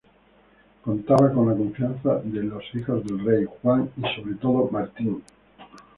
Contaba con la confianza de los hijos del rey, Juan, y sobre todo, Martín.